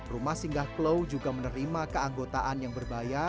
rumah singgah klauw juga menerima keanggotaan yang menanggung penyelamat